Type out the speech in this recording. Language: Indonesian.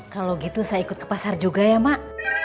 kalau gitu saya ikut ke pasar juga ya mak